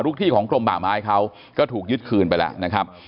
ที่ของกรมป่าไม้เขาก็ถูกยึดคืนไปแล้วนะครับ